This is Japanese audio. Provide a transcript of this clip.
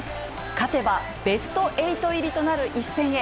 勝てばベスト８入りとなる一戦へ。